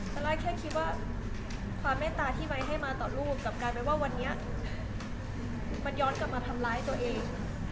ซาร่ายแค่คิดว่าความเมตตาที่ไว้ให้มาต่อลูกกลับกลายเป็นว่าวันนี้มันย้อนกลับมาทำร้ายตัวเอง